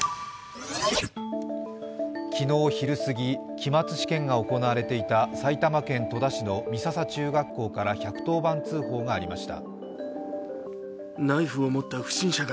昨日昼過ぎ、期末試験が行われていた埼玉県戸田市の美笹中学校から１１０番通報がありました。